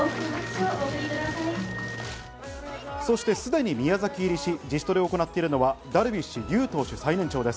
そしてすでに宮崎入りし、自主トレを行っているのはダルビッシュ有投手、最年長です。